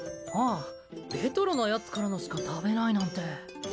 あぁレトロなやつからのしか食べないなんて。